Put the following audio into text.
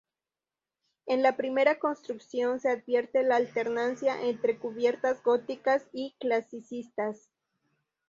En la primera construcción se advierte la alternancia entre cubiertas góticas y clasicistas.